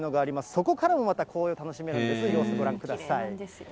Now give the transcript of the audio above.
そこからもまた紅葉、楽しめる様子、ご覧ください。